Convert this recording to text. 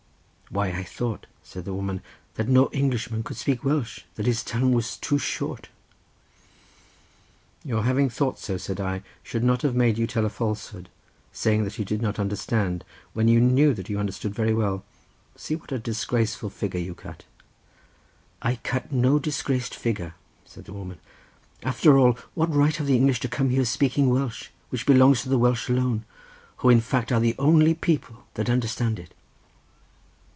"Why I thought," said the woman, "that no Englishman could speak Welsh, that his tongue was too short." "Your having thought so," said I, "should not have made you tell a falsehood, saying that you did not understand, when you knew that you understood very well. See what a disgraceful figure you cut." "I cut no disgraced figure," said the woman: "after all, what right have the English to come here speaking Welsh, which belongs to the Welsh alone, who in fact are the only people that understand it."